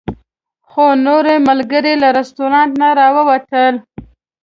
خو نور ملګري له رسټورانټ نه راووتل.